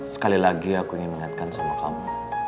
sekali lagi aku ingin mengingatkan sama kamu